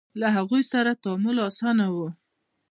له هغوی سره تعامل اسانه و.